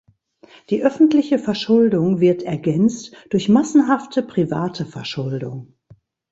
Die öffentliche Verschuldung wird ergänzt durch massenhafte private Verschuldung.